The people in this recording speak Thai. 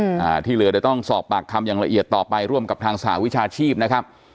อ่าที่เหลือเดี๋ยวต้องสอบปากคำอย่างละเอียดต่อไปร่วมกับทางสหวิชาชีพนะครับ